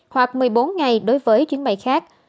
hoặc một mươi bốn ngày đối với chuyến bay khác